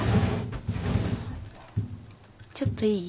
ちょっといい？